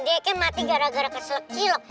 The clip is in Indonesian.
dia kan mati gara gara keselak cilok